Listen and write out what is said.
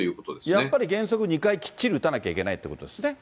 やっぱり原則２回きっちり打たなきゃいけないっていうことですね。